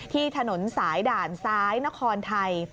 ที่ถนนสายด่านซ้ายนครไทย